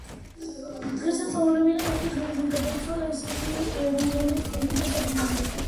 დღესასწაულობენ იმ დროს, როდესაც გარდაიცვალა ოდინი რუნების ცოდნის დასაბრუნებლად.